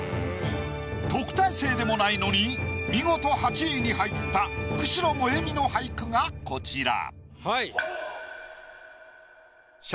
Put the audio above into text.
特待生でもないのに見事８位に入った久代萌美の俳句がこちら。